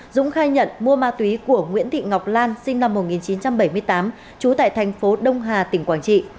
dũng khai nhận mua ma túy của nguyễn thị ngọc lan sinh năm một nghìn chín trăm bảy mươi tám trú tại thành phố đông hà tỉnh quảng trị